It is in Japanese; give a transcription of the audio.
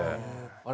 あれ？